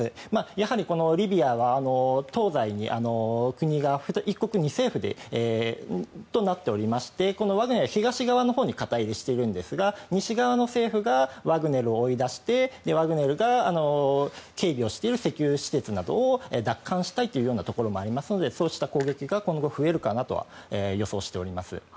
やはり、リビアは東西に国が１国２政府となっておりましてワグネル、東側のほうに肩入れしてるんですが西側の政府がワグネルを追い出してワグネルが警備をしている石油施設などを奪還したいというようなところもありますのでそうした攻撃が今後増えるかなとは予想しております。